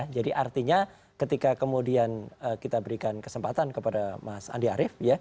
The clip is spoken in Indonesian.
jadi artinya ketika kemudian kita berikan kesempatan kepada mas andi arief